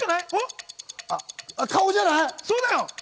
顔じゃない？